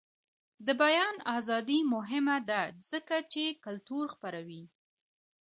د بیان ازادي مهمه ده ځکه چې کلتور خپروي.